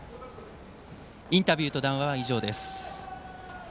インタビューと談話は以上です。